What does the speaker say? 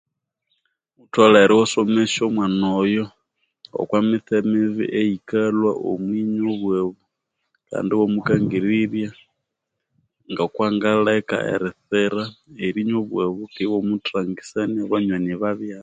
Wutholere iwasomesya omwana oyo oko mitse mibi eyikalwa omwinya obwabu Kandi iwamukangirirya ngoko angaleka eritsira erinywa obwabu keghe iwamuthangisyana abanywani babi